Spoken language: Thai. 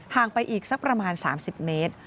งไปอีกสักประมาณ๓๐เมตร